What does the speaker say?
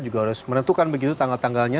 juga harus menentukan begitu tanggal tanggalnya